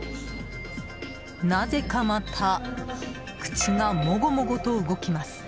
なぜかまた口がもごもごと動きます。